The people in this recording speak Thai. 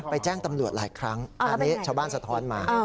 แจ้งตำรวจหลายครั้งอันนี้ชาวบ้านสะท้อนมา